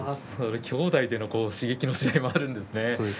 きょうだいでの指摘のし合いがあるんですね。